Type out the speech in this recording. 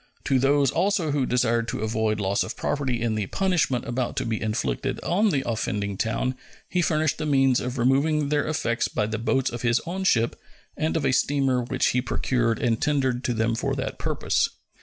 To those also who desired to avoid loss of property in the punishment about to be inflicted on the offending town he furnished the means of removing their effects by the boats of his own ship and of a steamer which he procured and tendered to them for that purpose.